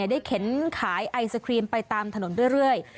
เข็นขายไอศครีมไปตามถนนเรื่อย